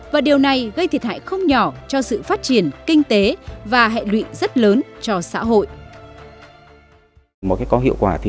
và điều này gây thiệt hại không nhỏ cho sự phát triển kinh tế và hệ lụy rất lớn cho xã hội